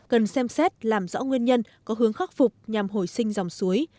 cần xem xét làm rõ nguyên nhân có hướng khắc phục nhằm hồi sinh dòng suối